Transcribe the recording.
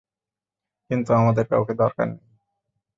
কিন্তু আমাদের কাউকে দরকার নেই।